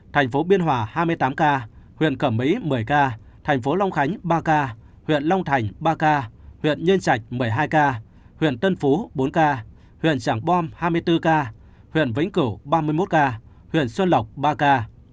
thành phố biên hòa hai mươi tám ca huyện cẩm mỹ một mươi ca thành phố long khánh ba ca huyện long thành ba ca huyện nhân trạch một mươi hai ca huyện tân phú bốn ca huyện trảng bom hai mươi bốn ca huyện vĩnh cửu ba mươi một ca huyện xuân lộc ba ca